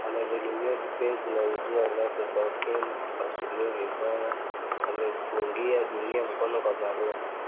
Amedhulumiwa kimapenzi na njia zake za ukeni kupasuliwa vibaya! Amepungia dunia mkono wa buriani